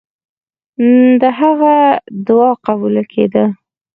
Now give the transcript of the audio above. د هغه دعا قبوله کېده.